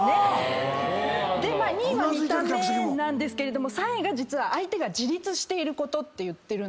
２位は見た目なんですけど３位が実は相手が自立していることって言ってるんですよ。